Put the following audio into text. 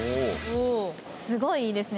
すごいいいですね。